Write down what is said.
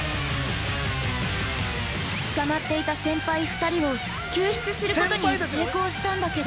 捕まっていた先輩２人を救出することに成功したんだけど。